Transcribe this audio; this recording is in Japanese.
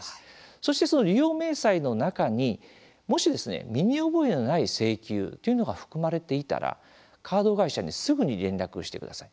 そして、その利用明細の中にもし、身に覚えのない請求というのが含まれていたらカード会社にすぐに連絡をしてください。